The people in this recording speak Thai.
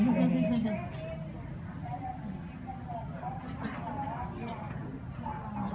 มันกำลังมากินหนึ่งร้อย